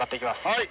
はい。